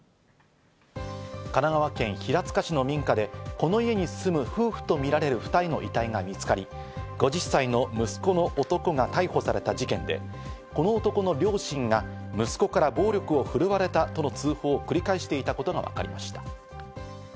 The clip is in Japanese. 神奈川県平塚市の民家でこの家に住む夫婦とみられる２人の遺体が見つかり、５０歳の息子の男が逮捕された事件で、この男の両親が息子から暴力を振るわれたとの通報を繰り返していたことがわかりました。